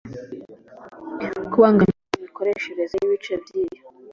kubangamira imikoreshereze y ibice by iyo